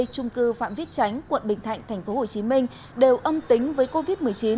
trung cư phạm viết chánh quận bình thạnh tp hcm đều âm tính với covid một mươi chín